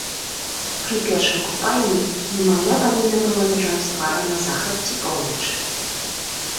Пры першым купанні немаўля павінна было ляжаць тварам на захад ці поўнач.